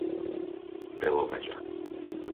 Beloveža